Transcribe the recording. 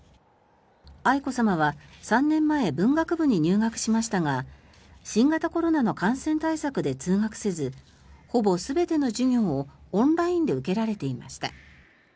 愛子さまは３年前文学部に入学しましたが新型コロナの感染対策で通学せずほぼ全ての授業をオンラインで受けられていました。